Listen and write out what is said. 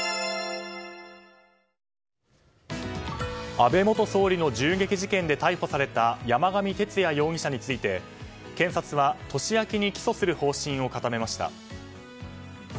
安倍元総理の銃撃事件で逮捕された山上徹也容疑者について検察は年明けに起訴する方針を固めました。